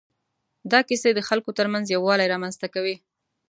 دا کیسې د خلکو تر منځ یووالی رامنځ ته کوي.